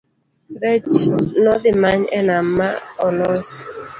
rech nodhimany e nam maolos